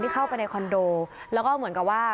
เข้าไปในคอนโดแล้วก็เหมือนกับว่า